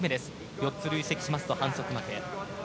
４つ累積しますと反則負け。